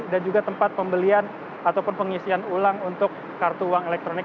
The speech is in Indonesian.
dan juga tempat pembelian ataupun pengisian ulang untuk kartu uang elektronik